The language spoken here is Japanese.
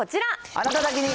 あなただけに！